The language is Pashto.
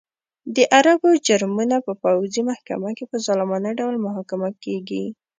د عربو جرمونه په پوځي محکمه کې په ظالمانه ډول محاکمه کېږي.